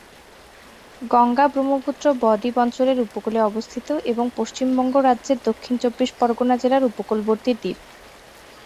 গঙ্গা-ব্রহ্মপুত্র বদ্বীপ অঞ্চলের উপকূলে অবস্থিত এবং পশ্চিমবঙ্গ রাজ্যের দক্ষিণ চব্বিশ পরগনা জেলার উপকূলবর্তী দ্বীপ।